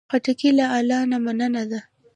خټکی له الله نه مننه ده.